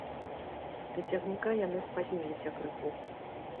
Да цягніка яны спазніліся крыху.